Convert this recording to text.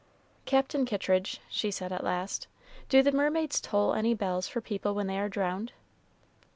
"Captain Kittridge," she said at last, "do the mermaids toll any bells for people when they are drowned?"